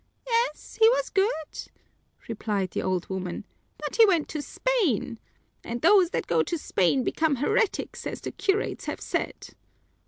"Yes, he was good," replied the old woman, "but he went to Spain. All those that go to Spain become heretics, as the curates have said."